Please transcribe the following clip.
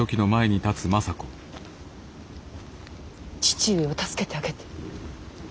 父上を助けてあげて。